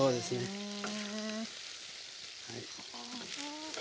へえ！